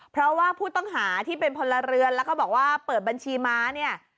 เพราะว่าผู้ต้องหาที่เป็นพลเรือนแล้วก็บอกว่าเปิดบัญชีม้าเนี่ย